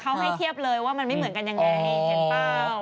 เขาให้เทียบเลยว่ามันไม่เหมือนกันยังไงเห็นเปล่า